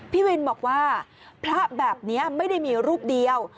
พี่วินบอกว่าพระแบบนี้ไม่ได้มีรูปเดียว